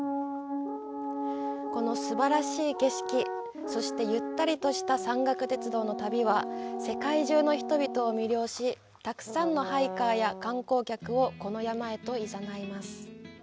このすばらしい景色そして、ゆったりとした山岳鉄道の旅は世界中の人々を魅了したくさんのハイカーや観光客をこの山へと誘います。